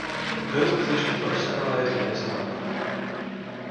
Those positions are summarised in this article.